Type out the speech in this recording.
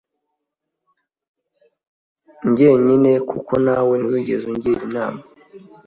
njyenyine kuko nawe ntiwigeze ungira inama